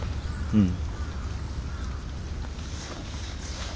うん。